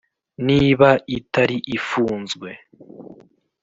niba itari ifunzwe.